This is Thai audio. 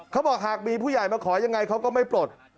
เขาบอกหากมีผู้ใหญ่มาขอยังไงเขาก็ไม่ปลด